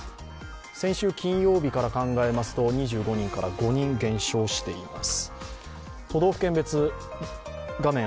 先週金曜日から考えますと２５人から５人減少しています。